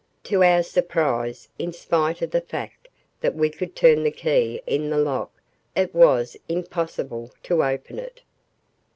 To our surprise, in spite of the fact that we could turn the key in the lock, it was impossible to open it!